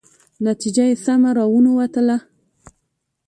نتیجه یې سمه را ونه وتله.